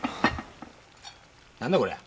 何だこりゃ？